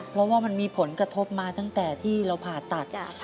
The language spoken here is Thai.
เพราะว่ามันมีผลกระทบมาตั้งแต่ที่เราผ่าตัด